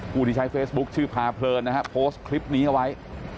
ผู้ที่ใช้เฟซบุ๊คชื่อพาเพลินนะฮะโพสต์คลิปนี้เอาไว้